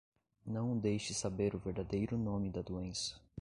Não o deixes saber o verdadeiro nome da doença.